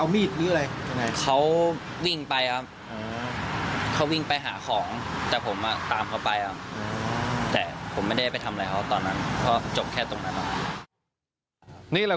พี่สาวเราเข้าไปห้ามให้แยกกัน